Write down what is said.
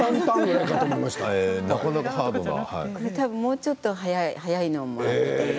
もうちょっと速いのもあって。